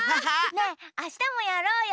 ねえあしたもやろうよ。